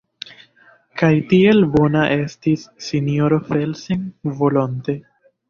Kaj tiel bona estis sinjoro Felsen volonte.